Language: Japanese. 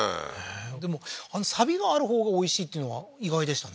でもサビがあるほうがおいしいっていうのは意外でしたね